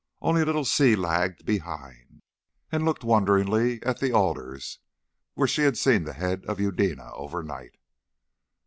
Only little Si lagged behind and looked wonderingly at the alders where she had seen the head of Eudena overnight.